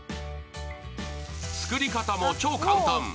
作り方も超簡単。